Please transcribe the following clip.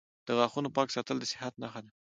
• د غاښونو پاک ساتل د صحت نښه ده.